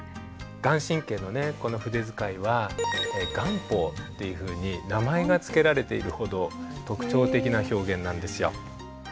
顔真のねこの筆使いは顔法っていうふうに名前が付けられているほど特徴的な表現なんですよ。